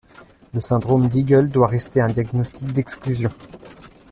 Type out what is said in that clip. Le syndrome d'Eagle doit rester un diagnostic d'exclusion.